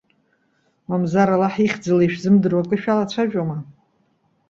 Мамзар Аллаҳ ихьӡала ишәзымдыруа акы шәалацәажәома?